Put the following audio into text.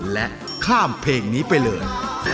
และข้ามเพลงนี้ไปเลย